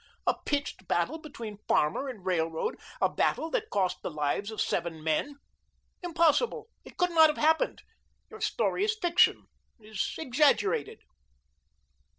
a pitched battle between Farmer and Railroad, a battle that cost the lives of seven men? Impossible, it could not have happened. Your story is fiction is exaggerated.